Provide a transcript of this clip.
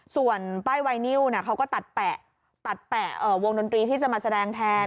ส่วนป้ายไวนิ่วก็ตัดแปะวงดนตรีที่จะมาแสดงแทน